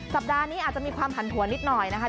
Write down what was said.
สัปดาห์นี้อาจจะมีความผันผวนนิดหน่อยนะคะ